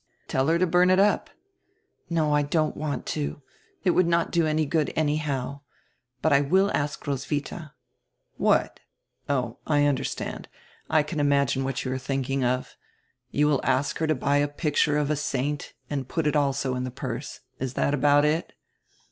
"Tell her to hum it up." "No, I don't want to; it would not do any good anyhow. But I will ask Roswitha —" "What? Oh, I understand, I can imagine what you are thinking of. You will ask her to buy a picture of a saint and put it also in the purse. Is that about it?"